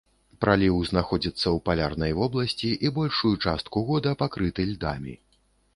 Праліў знаходзіцца ў палярнай вобласці і большую частку года пакрыты льдамі.